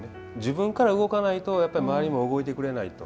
自分から動かないと周りも動いてくれないと。